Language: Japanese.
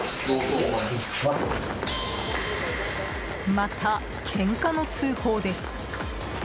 また、けんかの通報です。